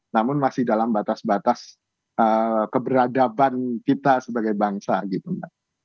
namun masih dalam batas batas keberadaban kita sebagai bangsa gitu mbak